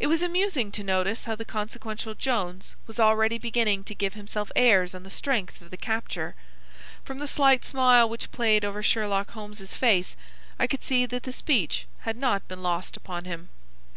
It was amusing to notice how the consequential Jones was already beginning to give himself airs on the strength of the capture. From the slight smile which played over Sherlock Holmes's face, I could see that the speech had not been lost upon him.